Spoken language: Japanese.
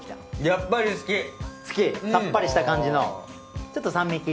さっぱりした感じのちょっと酸味きいた感じの。